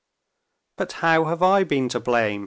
"But how have I been to blame?"